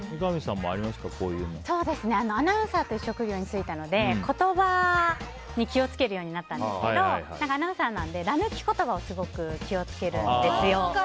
アナウンサーという職業に就いたので言葉に気を付けるようになったんですけどアナウンサーなのでら抜き言葉にすごく気を付けるんですよ。